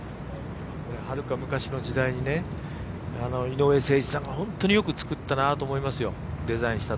これ、はるか昔の時代に井上誠一さんが本当によく作ったなと思いますよ